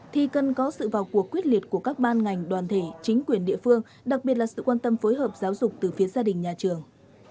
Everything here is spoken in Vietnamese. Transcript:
thì cần có sự vào cuộc quyết liệt của các ban ngành đoàn thể chính quyền địa phương đặc biệt là sự quan tâm phối hợp giáo dục từ phía gia đình nhà trường